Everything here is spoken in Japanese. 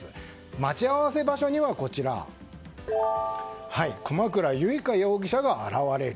待ち合わせ場所には熊倉唯佳容疑者が現れる。